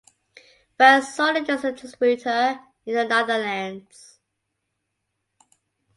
Van Zoelen as a distributor in the Netherlands.